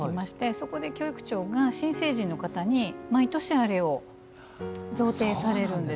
そこで、教育長が新成人の方に毎年、あれを贈呈されるんです。